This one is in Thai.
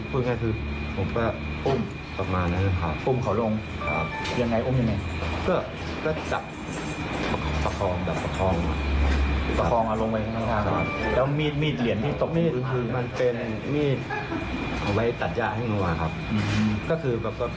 แต่มันตกลงไปเองใช่ไหมครับ